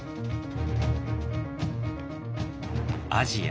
アジア